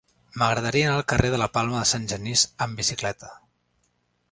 M'agradaria anar al carrer de la Palma de Sant Genís amb bicicleta.